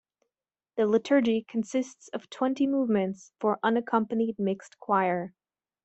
The "Liturgy" consists of twenty movements for unaccompanied mixed choir.